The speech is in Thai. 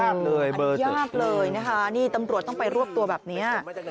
อันนี้ยากเลยนะคะนี่ตำรวจต้องไปรวบตัวแบบนี้